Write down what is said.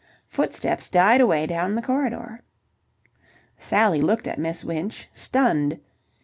Footsteps died away down the corridor. Sally looked at Miss Winch, stunned.